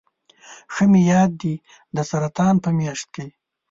ښه مې یاد دي د سرطان په میاشت کې.